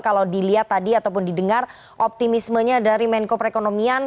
kalau dilihat tadi ataupun didengar optimismenya dari menko perekonomian